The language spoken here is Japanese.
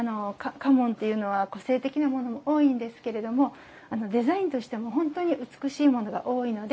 家紋っていうのは個性的なものが多いんですけどデザインとしても本当に美しいものが多いので。